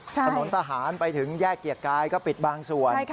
ถนนทหารไปถึงแยกเกียรติกายก็ปิดบางส่วน